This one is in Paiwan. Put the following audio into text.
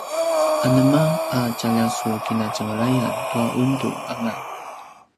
anema a tjalja su kinatjenglayan tua undu anga?